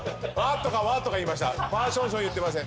パーションション言ってません。